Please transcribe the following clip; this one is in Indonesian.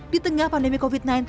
di tengah pandemi covid sembilan belas